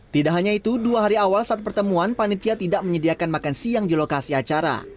tidak hanya itu dua hari awal saat pertemuan panitia tidak menyediakan makan siang di lokasi acara